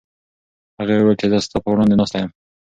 هغې وویل چې زه ستا په وړاندې ناسته یم.